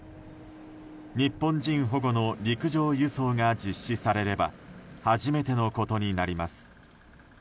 日本人保護の陸上輸送が実施されれば初めてのことになります。